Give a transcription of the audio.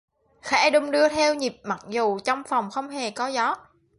Khẽ đung đưa theo nhịp mặc dù trong phòng không hề có gió